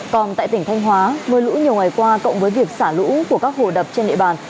còn tại tỉnh thanh hóa mưa lũ nhiều ngày qua cộng với việc xả lũ của các hồ đập trên địa bàn